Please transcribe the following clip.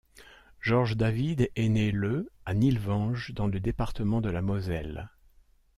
Georges David est né le à Nilvange dans le département de la Moselle.